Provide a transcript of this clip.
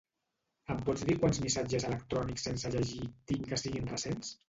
Em pots dir quants missatges electrònics sense llegir tinc que siguin recents?